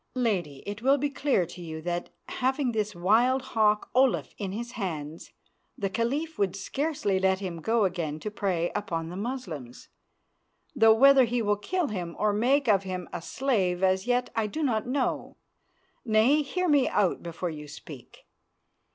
Lady, it will be clear to you that, having this wild hawk Olaf in his hands, the Caliph would scarcely let him go again to prey upon the Moslems, though whether he will kill him or make of him a slave as yet I do not know. Nay, hear me out before you speak.